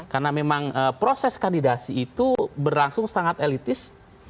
karena memang proses kandidasi itu berlangsung sangat elitis